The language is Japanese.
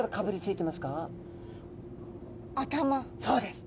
そうです。